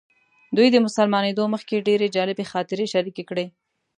دوی د مسلمانېدو مخکې ډېرې جالبې خاطرې شریکې کړې.